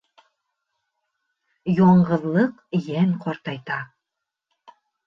Яңғыҙлыҡ йән ҡартайта.